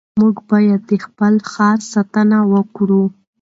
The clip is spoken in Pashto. موږ باید د خپل ښار ساتنه وکړو.